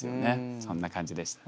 そんな感じでしたね。